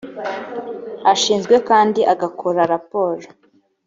ashinzwe kandi agakora raporo